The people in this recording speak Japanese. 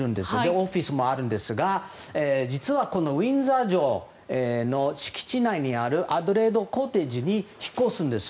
オフィスもあるんですが実は、ウィンザー城の敷地内にあるアデレード・コテージに引っ越すんです。